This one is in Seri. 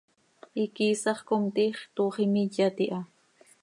Iquiisax com, tiix toox imiyat iha.